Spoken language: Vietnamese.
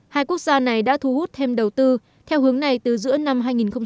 hai quốc gia này đã thu hút thêm đầu tư theo hướng này từ giữa năm hai nghìn một mươi